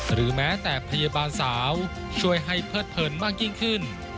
หรือแม้แต่พยาบาลสาวช่วยให้เพิดเผินมากยิ่งขึ้น